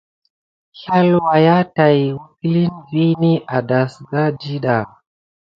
Slaywa tät wukiləŋe vini a dasaku ɗiɗa.